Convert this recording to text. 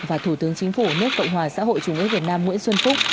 và thủ tướng chính phủ nước cộng hòa xã hội chủ nghĩa việt nam nguyễn xuân phúc